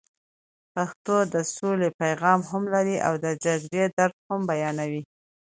پښتو د سولې پیغام هم لري او د جګړې درد هم بیانوي.